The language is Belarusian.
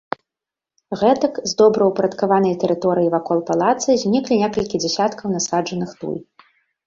Гэтак, з добраўпарадкаванай тэрыторыі вакол палаца зніклі некалькі дзясяткаў насаджаных туй.